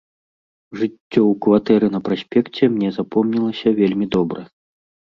Жыццё ў кватэры на праспекце мне запомнілася вельмі добра.